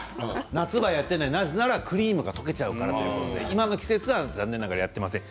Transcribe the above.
夏場やっていない、なぜならクリームが溶けちゃうからということで、今の季節は残念ながらやっていません。